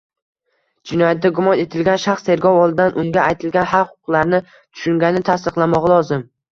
Jinoyatda gumon etilgan shaxs tergov oldidan unga aytilgan haq-huquqlarini tushungani tasdiqlanmog‘i lozim.